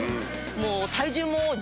もう体重も。